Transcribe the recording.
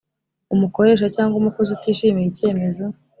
umukoresha cyangwa umukozi utishimiye icyemezo